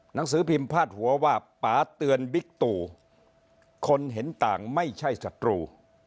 หนังสือพิมพ์พาดหัวว่าป่าเตือนบิ๊กตู่คนเห็นต่างไม่ใช่ศัตรู